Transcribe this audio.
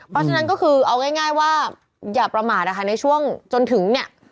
เพราะฉะนั้นก็คือเอาง่ายว่าอย่าประมาทนะคะในช่วงจนถึงเนี่ย